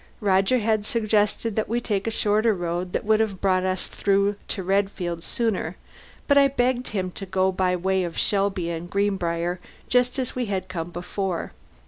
Roger had suggested that we take a shorter road that would have brought us through to Redfield sooner, but I begged him to go by way of Shelby and Greenbriar, just as we had come before.